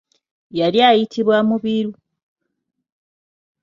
Yali ayitibwa Mubiru.